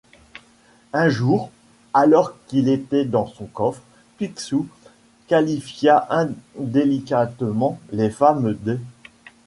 Un jour, alors qu'il était dans son coffre, Picsou qualifia indélicatement les femmes d'.